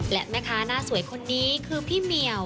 และแม่ค้าหน้าสวยคนนี้คือพี่เหมียว